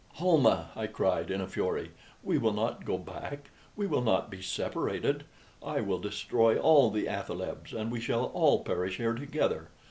"Almah," cried I, in a fury, "we will not go back we will not be separated! I will destroy all the athalebs, and we shall all perish here together.